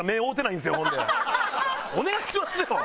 お願いしますよ！